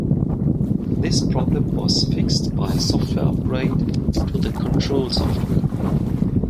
This problem was fixed by a software upgrade to the control software.